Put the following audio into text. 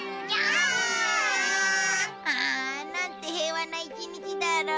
ああなんて平和な一日だろう。